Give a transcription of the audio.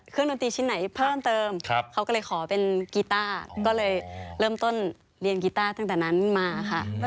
เครื่องดนตรีชิ้นไหนเพิ่มเติมครับเขาก็เลยขอเป็นกีตาร์ก็เลยเริ่มต้นเรียนกีตาร์ตั้งแต่นั้นมาค่ะอืม